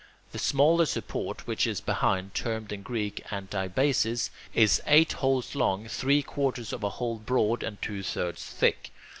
The smaller support, which is behind, termed in Greek [Greek: antibasis], is eight holes long, three quarters of a hole broad, and two thirds thick.